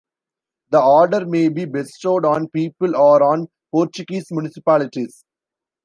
The order may be bestowed on people or on Portuguese municipalities.